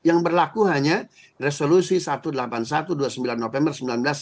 yang berlaku hanya resolusi satu ratus delapan puluh satu dua puluh sembilan november seribu sembilan ratus empat puluh